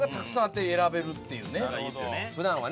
普段はね